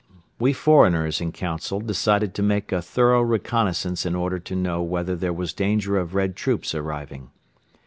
We foreigners in council decided to make a thorough reconnaissance in order to know whether there was danger of Red troops arriving.